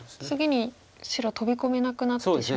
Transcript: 次に白飛び込めなくなってしまう。